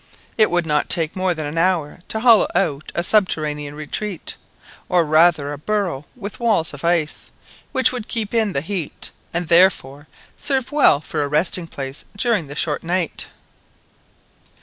It would not take more than an hour to hollow out a subterranean retreat, or rather a burrow with walls of ice, which would keep in the heat, and therefore serve well for a resting place during the short night.